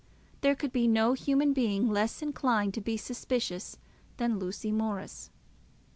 There could be no human being less inclined to be suspicious than Lucy Morris.